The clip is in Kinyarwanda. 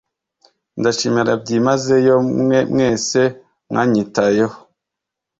Ndashimira byimazeyo mwe mwese mwanyitayeho